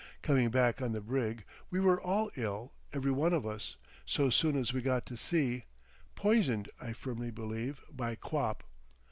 Coming back on the brig we were all ill, every one of us, so soon as we got to sea, poisoned, I firmly believe, by quap.